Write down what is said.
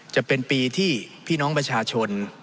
จะเป็นปีที่พี่น้องประชาชน